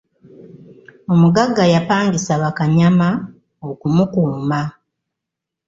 Omuggaga yapangisa bakanyama okumukuuma.